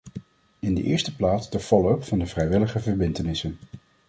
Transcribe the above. In de eerste plaats de follow-up van de vrijwillige verbintenissen.